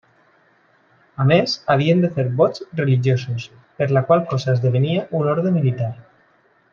A més, havien de fer vots religiosos, per la qual cosa esdevenia un orde militar.